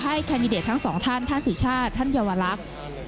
ขอให้คันดิเดตทั้ง๒ท่านท่านสิจาทท่านเยาวรักษ์